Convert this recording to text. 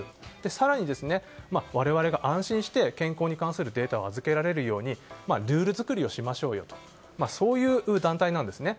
更に、我々が安心して健康に関するデータを預けられるようルール作りをしましょうという団体なんですね。